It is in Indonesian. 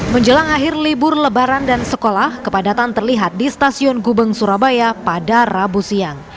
menjelang akhir libur lebaran dan sekolah kepadatan terlihat di stasiun gubeng surabaya pada rabu siang